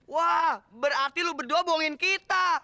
wah berarti lu berdua bohongin kita